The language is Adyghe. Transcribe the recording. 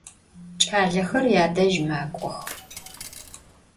Ç'alexer yadej mak'ox.